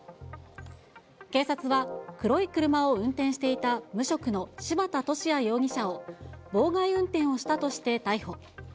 警察は、黒い車を運転していた無職の柴田敏也容疑者を妨害運転をしたとして逮捕。